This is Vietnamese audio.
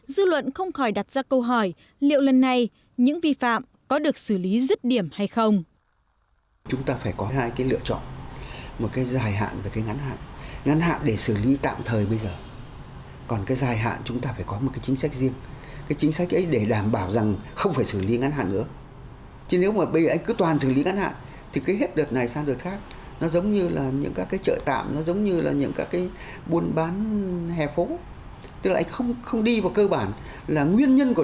dư luận không khỏi đặt ra câu hỏi liệu lần này những vi phạm có được xử lý rứt điểm hay không